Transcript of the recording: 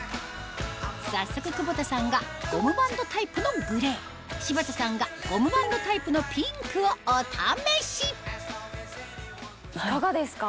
早速久保田さんがゴムバンドタイプのグレー柴田さんがゴムバンドタイプのピンクをお試しいかがですか？